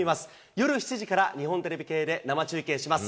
夜７時から日本テレビ系で生中継します。